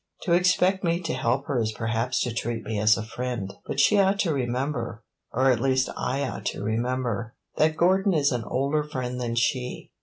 To expect me to help her is perhaps to treat me as a friend; but she ought to remember or at least I ought to remember that Gordon is an older friend than she.